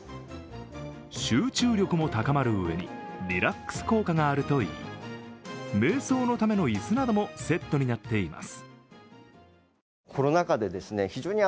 集中力も高まるうえに、リラックス効果があるといい、めい想のための椅子などもセットになっています。